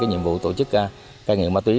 nhiệm vụ tổ chức cai nghiện ma túy